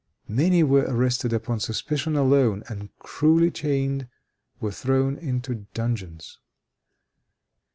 Many were arrested upon suspicion alone, and, cruelly chained, were thrown into dungeons.